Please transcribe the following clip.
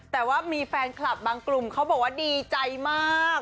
แต่ว่ามีแฟนคลับบางกลุ่มเขาบอกว่าดีใจมาก